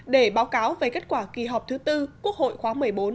để báo cáo về kết quả kỳ họp thứ tư quốc hội khóa một mươi bốn